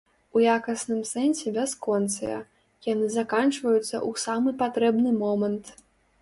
У якасным сэнсе бясконцыя, яны заканчваюцца ў самы патрэбны момант.